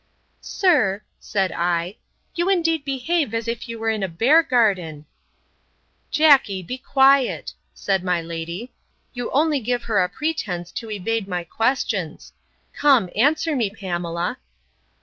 Sir, said I, you indeed behave as if you were in a bear garden. Jackey, be quiet, said my lady. You only give her a pretence to evade my questions. Come, answer me, Pamela.